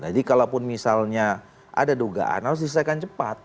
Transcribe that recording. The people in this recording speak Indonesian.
jadi kalaupun misalnya ada dugaan harus diselesaikan cepat